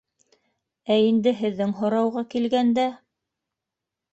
Ә инде һеҙҙең һорауға килгәндә...